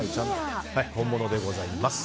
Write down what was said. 本物でございます。